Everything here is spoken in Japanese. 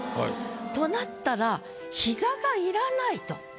となったら「膝」が要らないと。